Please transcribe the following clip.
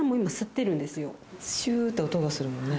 シュって音がするもんね。